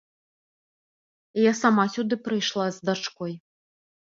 Я сама сюды прыйшла з дачкой.